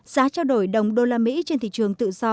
giá trao đổi đồng đô la mỹ trên thị trường tự do